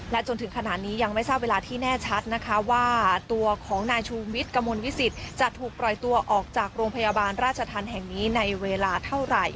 จนถึงขณะนี้ยังไม่ทราบเวลาที่แน่ชัดนะคะว่าตัวของนายชูวิทย์กระมวลวิสิตจะถูกปล่อยตัวออกจากโรงพยาบาลราชธรรมแห่งนี้ในเวลาเท่าไหร่